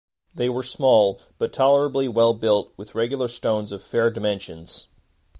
They were small, but tolerably well-built, with regular stones of fair dimensions.